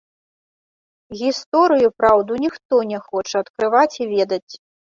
Гісторыю і праўду ніхто не хоча адкрываць і ведаць.